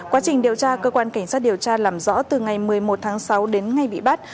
quá trình điều tra cơ quan cảnh sát điều tra làm rõ từ ngày một mươi một tháng sáu đến ngày bị bắt